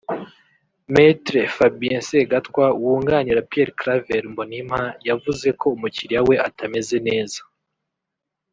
Me Fabien Segatwa wunganira Pierre-Claver Mbonimpa yavuze ko umukiriya we atameze neza